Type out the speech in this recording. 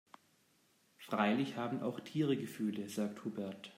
Freilich haben auch Tiere Gefühle, sagt Hubert.